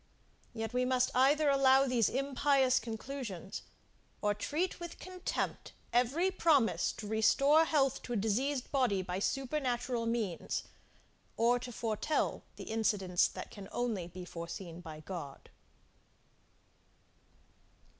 Yet we must either allow these impious conclusions, or treat with contempt every promise to restore health to a diseased body by supernatural means, or to foretell, the incidents that can only be foreseen by God.